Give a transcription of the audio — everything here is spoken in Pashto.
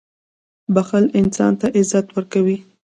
• بښل انسان ته عزت ورکوي.